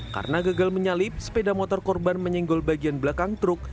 karena gagal menyalip sepeda motor korban menyinggol bagian belakang truk